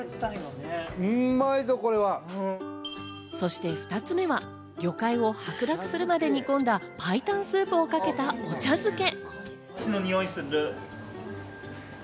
そして２つ目は魚介を白濁するまで煮込んだ白湯スープをかけたお茶漬け。